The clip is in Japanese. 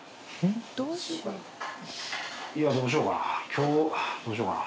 今日どうしようかな？